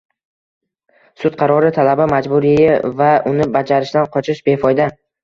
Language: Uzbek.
Sud qarori talabi majburiyi va uni bajarishdan qochish befoyda...